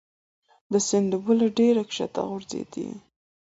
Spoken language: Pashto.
د سیند اوبه له ډبرې ښکته غورځېدې.